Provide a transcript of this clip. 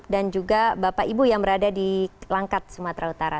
dan juga bapak ibu yang berada di langkat sumatera utara